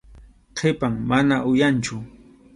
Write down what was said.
Qhipan, mana uyanchu.